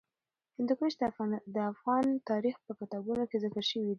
هندوکش د افغان تاریخ په کتابونو کې ذکر شوی دي.